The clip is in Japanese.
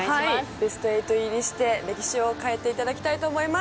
ベスト８入りして歴史を変えていただきたいと思います。